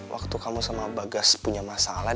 waktu kamu sama bagas punya masalah